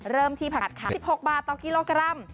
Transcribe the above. เริ่มที่ผัดขา๑๖บาทต่อกิโลกรัม